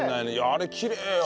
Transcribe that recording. あれきれいよ。